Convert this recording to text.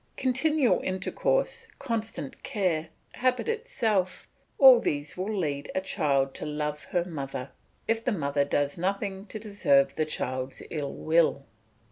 Continual intercourse, constant care, habit itself, all these will lead a child to love her mother, if the mother does nothing to deserve the child's ill will.